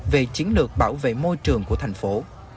về chiến lược bảo vệ môi trường của thành phố